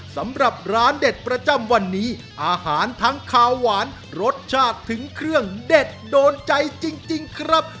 สำหรับร้านเด็ดประจำวันนี้อาหารทั้งขาวหวานรสชาติถึงเครื่องเด็ดโดนใจจริงครับ